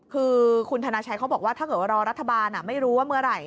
คือคุณธนาชัยเขาบอกว่าถ้าเกิดว่ารอรัฐบาลไม่รู้ว่าเมื่อไหร่